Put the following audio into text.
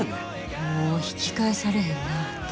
もう引き返されへんなぁて。